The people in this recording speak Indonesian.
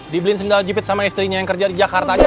dibeliin sendal jepit sama istrinya yang kerja di jakarta aja